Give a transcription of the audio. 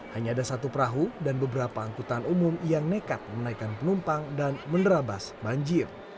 hanya ada satu perahu dan beberapa angkutan umum yang nekat menaikkan penumpang dan menerabas banjir